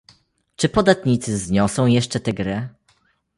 Czy podatnicy zniosą jeszcze tę grę?